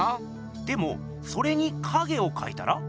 でもそれに影をかいたら？